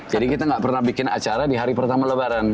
jadi kita nggak pernah bikin acara di hari pertama lebaran